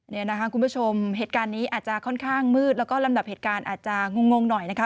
นี่นะคะคุณผู้ชมเหตุการณ์นี้อาจจะค่อนข้างมืดแล้วก็ลำดับเหตุการณ์อาจจะงงหน่อยนะคะ